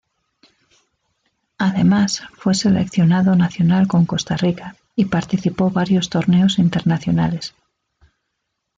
Además fue seleccionado nacional con Costa Rica y participó varios torneos internacionales